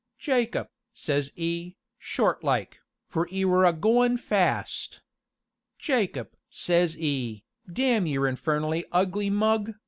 'Jacob,' says 'e, short like, for 'e were agoin' fast. 'Jacob!' says 'e, 'damn your infernally ugly mug!'